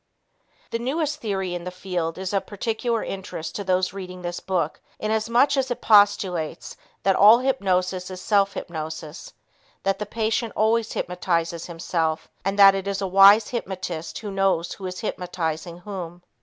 The newest theory in the field is of particular interest to those reading this book inasmuch as it postulates that all hypnosis is self hypnosis, that the patient always hypnotizes himself and that it is a wise hypnotist who knows who is hypnotizing whom.